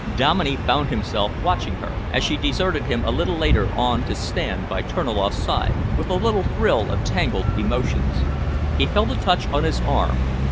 Dominey found himself watching her, as she deserted him a little later on to stand by Terniloff's side, with a little thrill of tangled emotions. He felt a touch on his arm.